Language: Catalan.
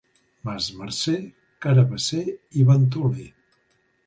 Març, marcer, carabasser i ventoler.